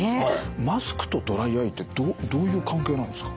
マスクとドライアイってどういう関係なんですか？